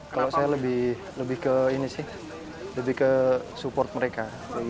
kalau saya lebih ke support mereka